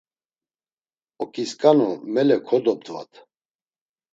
Oǩisǩanu mele kodobdvat.